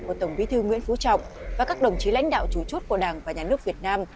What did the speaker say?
của tổng bí thư nguyễn phú trọng và các đồng chí lãnh đạo chủ chốt của đảng và nhà nước việt nam